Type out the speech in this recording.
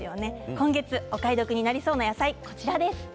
今月お買い得になりそうな野菜はこちらです。